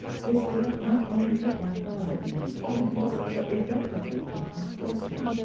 'His death, not only hurt my father in his feelings, but irreparably in his fortune.